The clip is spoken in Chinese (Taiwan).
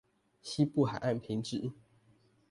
西部海岸平直